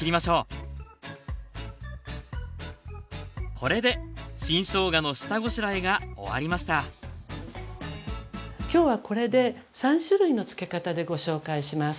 これで新しょうがの下ごしらえが終わりました今日はこれで３種類の漬け方でご紹介します。